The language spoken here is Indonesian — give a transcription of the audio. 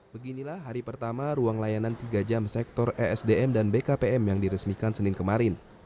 beginilah hari pertama ruang layanan tiga jam sektor esdm dan bkpm yang diresmikan senin kemarin